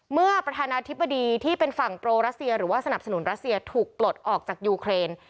เมื่อประธานาธิบดีที่เป็นฝั่งโปรรัสเซียหรือว่าสนับสนุนรัสเซียถูกปลดออกจากยูเครน